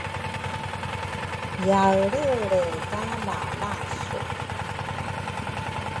yaelrelre ka lalasu.